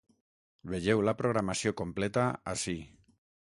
Vegeu la programació completa ací.